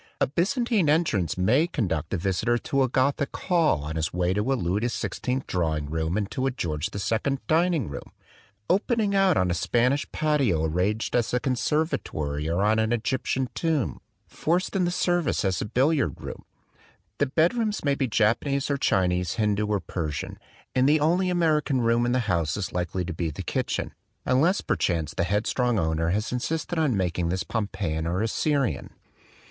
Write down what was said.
A Byzantine entrance may conduct the visitor to a Gothic hall on his way to a Louis XVI drawing room and to a George II dining room, opening out on a Spanish patio arranged as a conservatory or on an Egyptian tomb forced into service as a billiard room. The bed rooms may be Japanese or Chinese, Hindu or Persian; and the only American room in the house is likely to be the kitchen, unless per chance the headstrong owner has insisted on making this Pompeian or Assyrian.